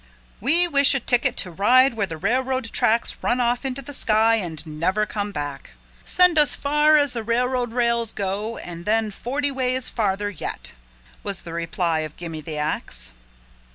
"We wish a ticket to ride where the railroad tracks run off into the sky and never come back send us far as the railroad rails go and then forty ways farther yet," was the reply of Gimme the Ax.